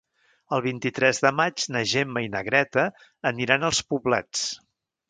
El vint-i-tres de maig na Gemma i na Greta aniran als Poblets.